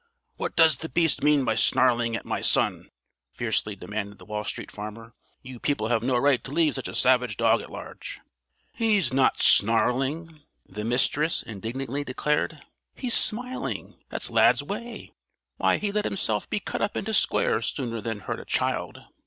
"What does the beast mean by snarling at my son?" fiercely demanded the Wall Street Farmer. "You people have no right to leave such a savage dog at large." "He's not snarling," the Mistress indignantly declared, "he's smiling. That's Lad's way. Why, he'd let himself be cut up into squares sooner than hurt a child."